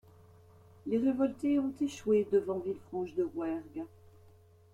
Les révoltés ont échoué devant Villefranche-de-Rouergue.